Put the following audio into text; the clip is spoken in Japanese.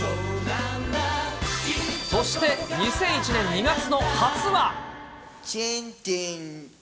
そして２００１年２月の初は。